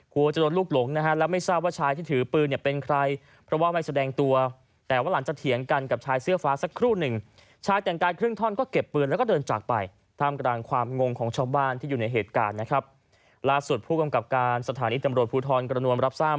กลัวจะโดนลูกหลงนะฮะแล้วไม่ทราบว่าชายที่ถือปืนเนี่ยเป็นใคร